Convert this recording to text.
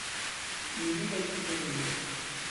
Mirigaj kriterioj.